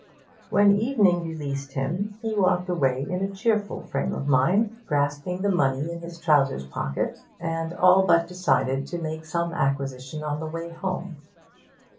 When evening released him he walked away in a cheerful frame of mind, grasping the money in his trousers' pocket, and all but decided to make some acquisition on the way home.